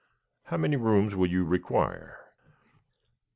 How many rooms will you require?"